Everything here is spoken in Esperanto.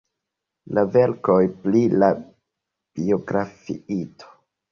la verkoj pri la biografiito.